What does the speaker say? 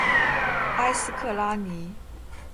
埃斯克拉尼。